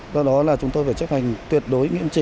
do đó là chúng tôi phải chấp hành tuyệt đối nghiệm trị